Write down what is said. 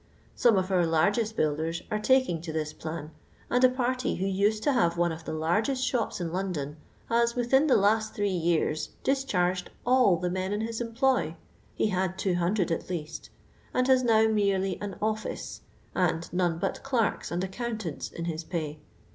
Some of our largest builders are taking to this plan, and a |>arty who used to have one of the largest shops in Limiion hxi within the last three yt ars discharged nil tiie men in his employ (he had 2'.)U at least), and has now merely an oiHco, and none but clerks and accountants in his pay.